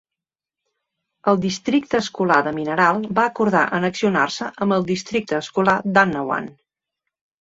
El districte escolar de Mineral va acordar annexionar-se amb el districte escolar d'Annawan.